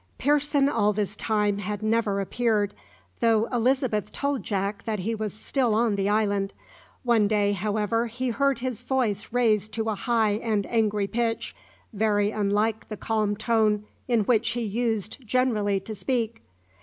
Pearson all this time had never appeared, though Elizabeth told Jack that he was still on the island. One day, however, he heard his voice raised to a high and angry pitch, very unlike the calm tone in which he used generally to speak.